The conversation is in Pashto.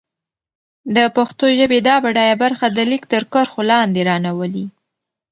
د پښتو ژبې دا بډايه برخه د ليک تر کرښو لاندې را نه ولي.